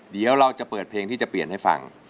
เดี๋ยวเราจะเปิดเพลงที่จะเปลี่ยนให้ฟัง